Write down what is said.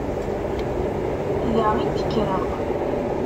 Da i d-kkreɣ.